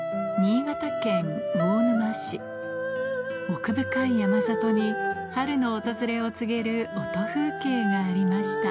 奥深い山里に春の訪れを告げる音風景がありました